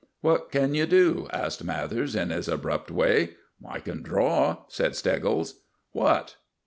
"What can you do?" asked Mathers in his abrupt way. "I can draw," said Steggles. "What?"